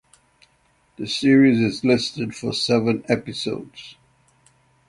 The series is listed for seven episodes.